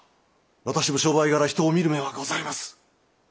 私も商売柄人を見る目はございます。